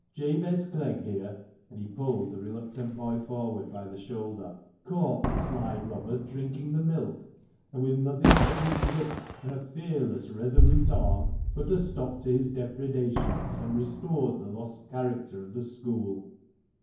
Jabez Clegg, here " (and he pulled the reluctant boy forward by the shoulder), "caught the sly robber drinking the milk, and, with nothing but this whip and a fearless, resolute arm, put a stop to his depredations, and restored the lost character of the school."